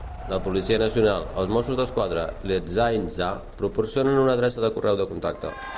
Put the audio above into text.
La Policia Nacional, els Mossos d'Esquadra i l'Ertzaintza, proporcionen una adreça de correu de contacte.